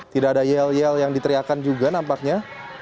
tidak ada yel yel yang diteriakan juga nampaknya